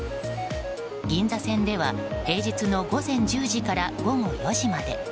銀座線では平日の午前１０時から午後４時まで。